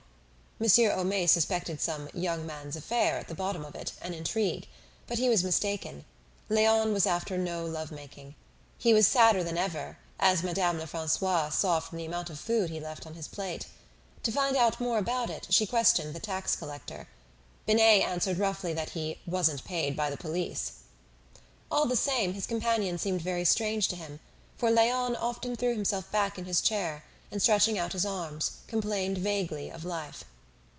Monsieur Homais suspected some "young man's affair" at the bottom of it, an intrigue. But he was mistaken. Léon was after no love making. He was sadder than ever, as Madame Lefrancois saw from the amount of food he left on his plate. To find out more about it she questioned the tax collector. Binet answered roughly that he "wasn't paid by the police." All the same, his companion seemed very strange to him, for Léon often threw himself back in his chair, and stretching out his arms, complained vaguely of life.